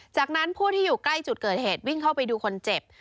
จากนั้นผู้ที่อยู่ใกล้จุดเกิดเหตุวิ่งเข้าไปดูคนเจ็บ